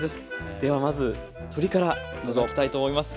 ではまず鶏からいきたいと思います。